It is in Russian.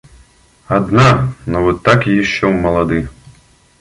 – Одна! Но вы так еще молоды.